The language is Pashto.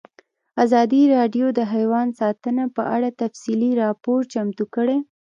ازادي راډیو د حیوان ساتنه په اړه تفصیلي راپور چمتو کړی.